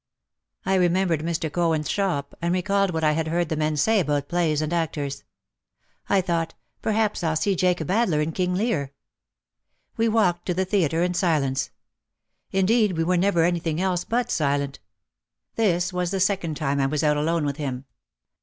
I remembered Mr. Cohen's shop, and recalled what I had heard the men say about plays and actors. I thought, "Perhaps I'll see Jacob Adler in King Lear!" We walked to the theatre in silence. In deed we were never anything else but silent. This was the second time I was out alone with him.